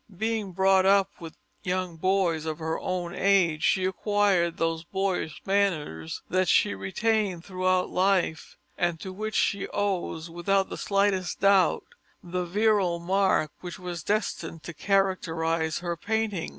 Being brought up with young boys of her own age, she acquired those boyish manners that she retained throughout life, and to which she owes, without the slightest doubt, that virile mark which was destined to characterize her painting.